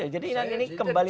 jadi ini kembali